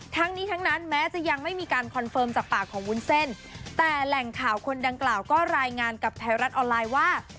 ทั้งนี้ทั้งนั้นแม้จะยังไม่มีการคอนเฟิร์มจากปากของวุ้นเส้นแต่แหล่งข่าวคนดังกล่าวก็รายงานกับไทยรัฐออนไลน์ว่า